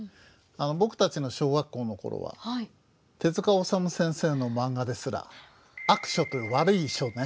僕たちの小学校の頃は手治虫先生のマンガですら悪書と「悪い書」ね。